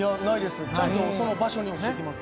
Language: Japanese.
ちゃんとその場所に落ちてきます。